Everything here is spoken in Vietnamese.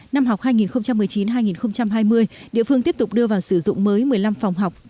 năm học hai nghìn một mươi chín hai nghìn hai mươi địa phương tiếp tục đưa vào sử dụng mới một mươi năm phòng học